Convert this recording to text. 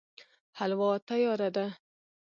حلوا تياره ده